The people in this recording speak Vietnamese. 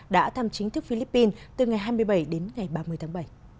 đã thăm chính thức philippines từ ngày hai mươi bảy đến ngày ba mươi tháng bảy